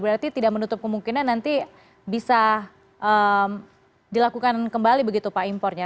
berarti tidak menutup kemungkinan nanti bisa dilakukan kembali begitu pak impornya